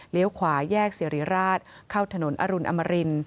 ขวาแยกสิริราชเข้าถนนอรุณอมริน